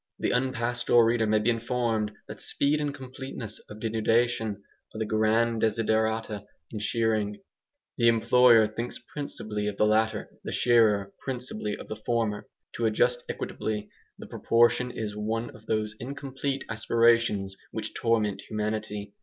The unpastoral reader may be informed that speed and completeness of denudation are the grand desiderata in shearing; the employer thinks principally of the latter, the shearer principally of the former. To adjust equitably the proportion is one of those incomplete aspirations which torment humanity.